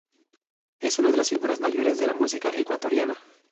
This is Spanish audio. Es una de las figuras mayores de la música ecuatoriana.